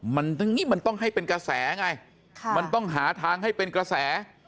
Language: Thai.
มันต้องให้เป็นกระแสไงมันต้องหาทางให้เป็นกระแส